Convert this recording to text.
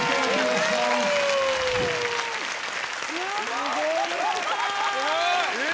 すごい！